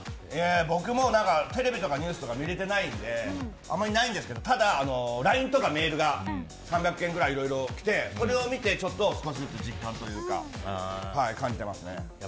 僕もテレビとかニュースとか見れてないのであまりないんですけどただ、ＬＩＮＥとかメールが３００件くらい、いろいろ来てそれを見てちょっと少しずつ実感を感じてますね。